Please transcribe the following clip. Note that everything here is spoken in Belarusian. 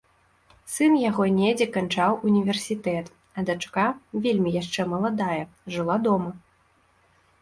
Сын яго недзе канчаў універсітэт, а дачка, вельмі яшчэ маладая, жыла дома.